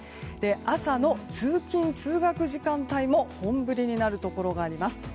朝の通勤・通学時間帯も本降りになるところがあります。